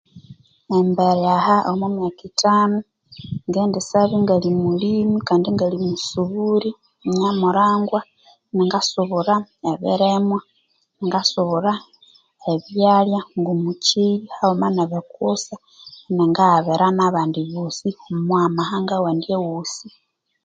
Ahambere aha omwa myaka ithano ngendisabya ingali mulimi kandi ingali musuburi nyamurangwa iningasubura ebirimwa, iningasubura ebyalya ngomukyeri haghuma nebikusa iningaghabira nabandi bosi omwa mahanga wandi awosi.